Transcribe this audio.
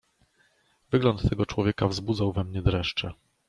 "Wygląd tego człowieka wzbudzał we mnie dreszcze."